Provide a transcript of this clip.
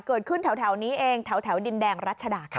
เกิดขึ้นแถวนี้เองแถวดินแดงรัชดาค่ะ